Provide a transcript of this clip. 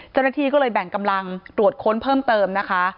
เจ้าหน้าที่ก็เลยแบ่งกำลังตรวจค้นเพิ่มเติมนะคะ